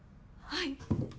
はい。